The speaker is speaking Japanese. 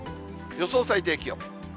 予想最低気温。